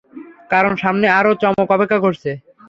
কারণ সামনে আরো চমক অপেক্ষা করছে।